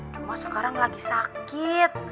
rumah sekarang lagi sakit